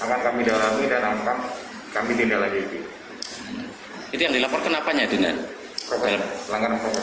akan kami dalam dan angkat kami tidak lagi itu yang dilaporkan apanya dengan pelanggaran